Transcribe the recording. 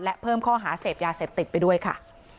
และเพิ่มข้อหาเสพยาเสพติดไปด้วยค่ะ